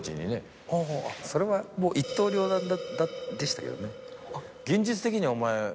それはもう一刀両断でしたけどね。